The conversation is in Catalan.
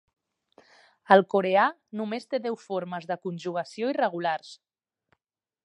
El coreà només té deu formes de conjugació irregulars.